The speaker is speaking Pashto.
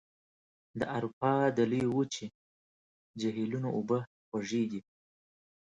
د اروپا د لویې وچې جهیلونو اوبه خوږې دي.